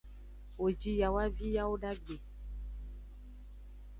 Wo ji yawavi yawodagbe.